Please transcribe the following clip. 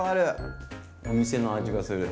お店の味がする。